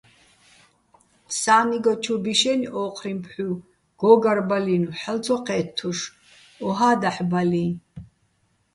სა́ნიგო ჩუ ბიშენი̆ ო́ჴრიჼ ფჰ̦უ, გო́გარბალინო̆, ჰ̦ალო̆ ცო ჴე́თთუშ, ოჰა́ დაჰ̦ ბალიჼ.